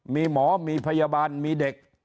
มีหมอมีพยาบาลมีเด็ก